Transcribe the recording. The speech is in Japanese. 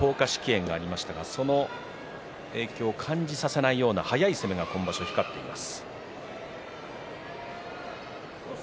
炎がありましたがその影響を感じさせないような速い攻めが今場所光っています。